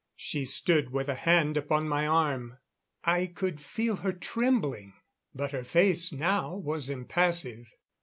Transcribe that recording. She stood with a hand upon my arm. I could feel her trembling, but her face now was impassive.